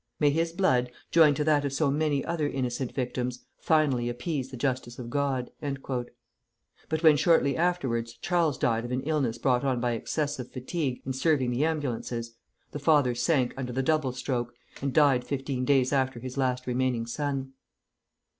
May his blood, joined to that of so many other innocent victims, finally appease the justice of God," But when, shortly afterwards, Charles died of an illness brought on by excessive fatigue in serving the ambulances, the father sank under the double stroke, and died fifteen days after his last remaining son.